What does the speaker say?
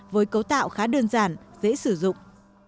với cấu tạo khá đơn giản dễ sử dụng